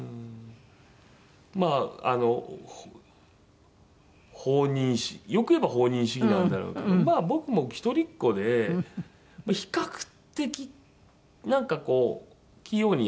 まああの放任よく言えば放任主義なんだろうけど僕も一人っ子で比較的なんかこう器用にやる方だったんで。